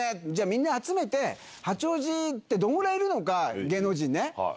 みんな集めて八王子ってどんぐらいいるのか芸能人ね。